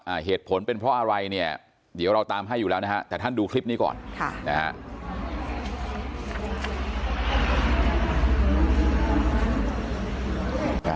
เหตุผลเป็นเพราะอะไรเนี่ยเดี๋ยวเราตามให้อยู่แล้วนะฮะแต่ท่านดูคลิปนี้ก่อนค่ะนะฮะ